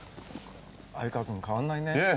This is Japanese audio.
鮎川君変わんないね。